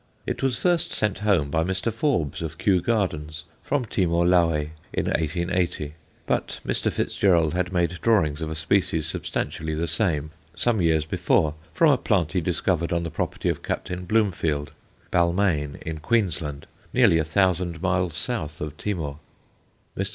It was first sent home by Mr. Forbes, of Kew Gardens, from Timor Laüt, in 1880. But Mr. Fitzgerald had made drawings of a species substantially the same, some years before, from a plant he discovered on the property of Captain Bloomfield, Balmain, in Queensland, nearly a thousand miles south of Timor. Mr.